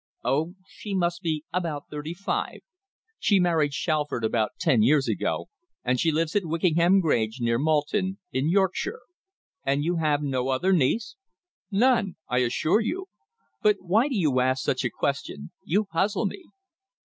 "Oh! She must be about thirty five. She married Shalford about ten years ago, and she lives at Wickenham Grange, near Malton, in Yorkshire." "And you have no other niece?" "None I assure you. But why do you ask such a question? You puzzle me."